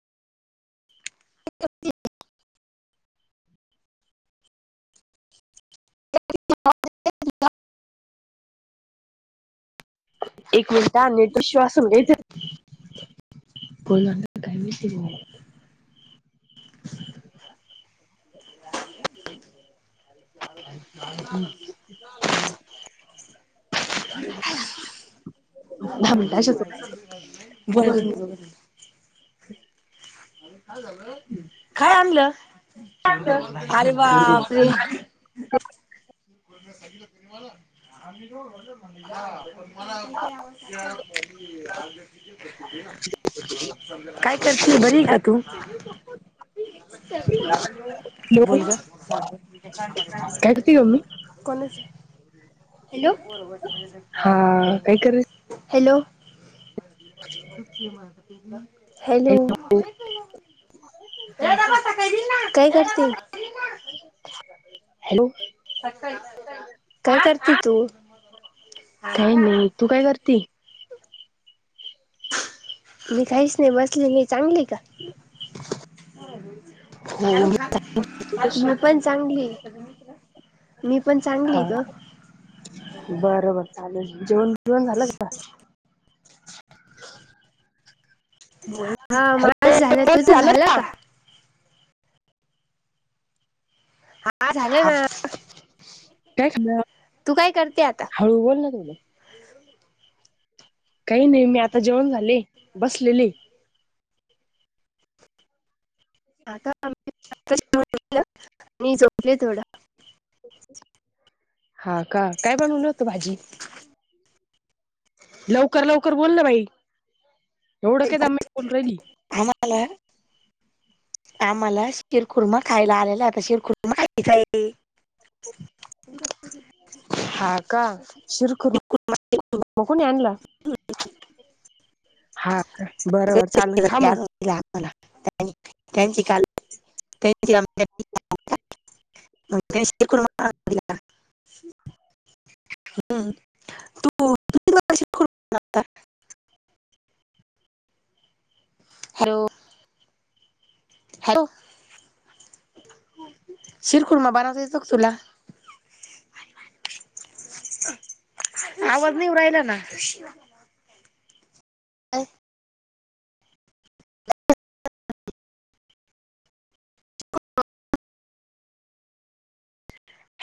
[inaudible] [unintelligible] एक मिनिटं हा नेट श्वास न घेत बोला ना, काय माहिती कोणं ये [unintelligible] [inaudible] [inaudible] दहा मिनिटाच्याच [unintelligible] बाळतीन बघत होत. काय आणलं? अरे बापरे [unintelligible] पण ते यावंच लागत [unintelligible] काय करती? बरी ये का तू? हॅलो बोल ग साधं काय करते ग मी कोणाच? हॅलो हा काय कर हॅलो [unintelligible] हॅलो काय करती? हॅलो काय करती तू? हा काय का नाही तू काय करती? मी काहीच नाय बसलेले. चांगली ये का? हो चारू मी खा, कशी मी पण चांगली ये, त्याजा मित्र, मी पण चांगली हा ये ग बरं बरं चालल म, जेवण बिवण झालं का? हा माज झालं, तुझ झालं का? हा झालं ना, काय खाणार तू काय करते आता? हळू बोल न थोडं काही नाही. मी आता जेवण झाले. बसलेलीये. आता [unintelligible] आता जेवण झालं मी झोपले थोडा. हा का, काय बनवल होतं भाजी? लवकर, लवकर बोल न बाई, एवढं काय दमानी बोलू राहिली. [unintelligible] आम्हाला शिरखुर्मा खायला आलेला हाय. आता शिरखुर्मा खायचा ये. [inaudible] हा का, शिरकुर शिरखुर्मा म कोणी आणला हा बरोबर पैसे चालल खा मग [unintelligible] [unintelligible] तू तू किती वेळा शिरखुर्मा बनवता हॅलो हॅलो शिरखुरमा बनवता येतो का तुला? आवाज नाही येवू राहिला ना काय